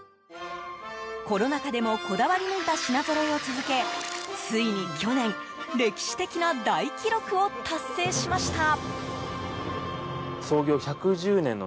コロナ禍でもこだわり抜いた品ぞろえを続けついに去年歴史的な大記録を達成しました。